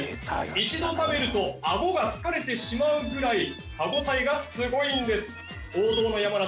一度食べると顎が疲れてしまうぐらい歯応えがすごいんです王道の山梨